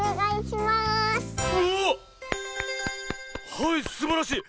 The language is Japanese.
はいすばらしい！